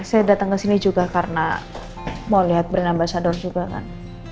saya datang ke sini juga karena mau lihat brand ambasador juga kan